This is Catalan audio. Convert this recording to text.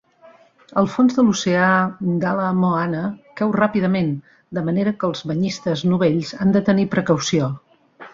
El fons de l'oceà d'Ala Moana cau ràpidament, de manera que els banyistes novells han de tenir precaució.